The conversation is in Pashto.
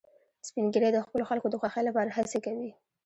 سپین ږیری د خپلو خلکو د خوښۍ لپاره هڅې کوي